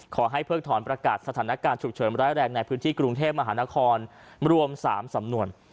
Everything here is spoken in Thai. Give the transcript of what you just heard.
เพิกถอนประกาศสถานการณ์ฉุกเฉินร้ายแรงในพื้นที่กรุงเทพมหานครรวม๓สำนวน